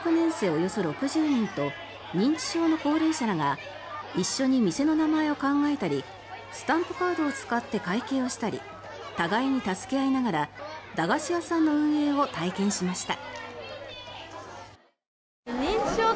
およそ６０人と認知症の高齢者らが一緒に店の名前を考えたりスタンプカードを使って会計をしたり互いに助け合いながら駄菓子屋さんの運営を体験しました。